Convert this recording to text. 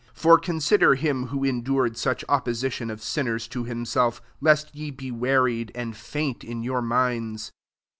3 For conaider him who endured auch opposition of aivmers to him self^ lest ye be wearied, and faint in your mkids.